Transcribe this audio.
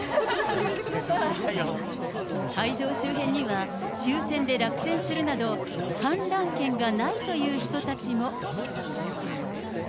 会場周辺には、抽せんで落選するなど、観覧券がないという人たちも。